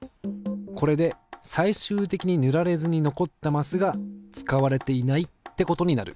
これで最終的に塗られずに残ったマスが使われていないってことになる。